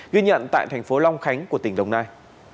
ghi nhận tại thành phố long khánh của tỉnh đồng nai